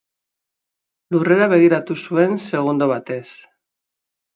Lurrera begiratu zuen segundo batez.